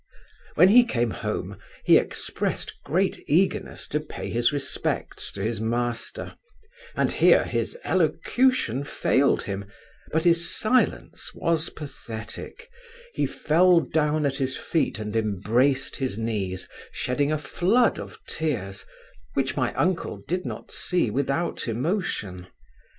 When he came home, he expressed great eagerness to pay his respects to his master, and here his elocution failed him, but his silence was pathetic; he fell down at his feet and embraced his knees, shedding a flood of tears, which my uncle did not see without emotion.